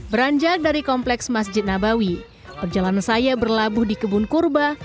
beranjak dari kompleks masjid nabawi perjalanan saya berlabuh di kebun kurba